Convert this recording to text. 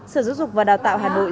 sở giáo dục và đào tạo hà nội